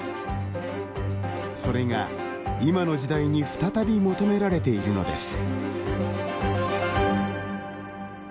それが今の時代に再び求められているのです。